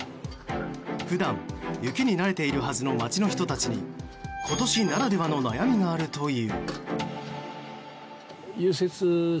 普段、雪に慣れているはずの町の人たちに今年ならではの悩みがあるという。